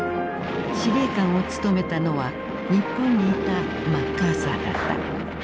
司令官を務めたのは日本にいたマッカーサーだった。